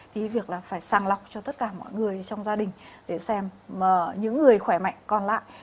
thì việc là phải sàng lọc cho tất cả mọi người trong gia đình để xem những người khỏe mạnh còn lại